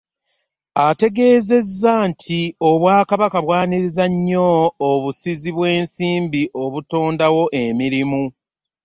Ategeezezza nti Obwakabaka bwaniriza nnyo obusizi bw'ensimbi obutondawo emirimu.